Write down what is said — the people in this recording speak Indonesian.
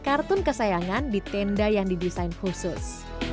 kartun kesayangan di tenda yang didesain khusus